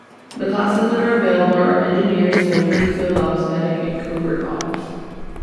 The classes that are available are engineer, soldier, field ops, medic, and covert ops.